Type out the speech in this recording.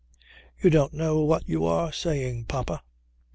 "You don't know what you are saying, papa."